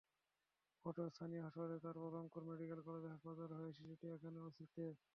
প্রথমে স্থানীয় হাসপাতাল, তারপর রংপুর মেডিকেল কলেজ হাসপাতাল হয়ে শিশুটি এখন ওসিসিতে।